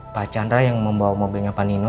pak chandra yang membawa mobilnya panino